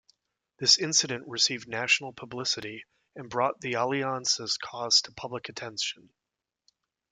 This incident received national publicity and brought the Alianza's cause to public attention.